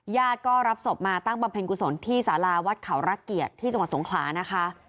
ญาติก็รับศพมาตั้งบำเพ็ญกุศลที่สาราวัดเขารักเกียรติที่จังหวัดสงขลานะคะ